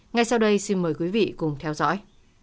ngay sau đây xin mời quý vị cùng theo dõi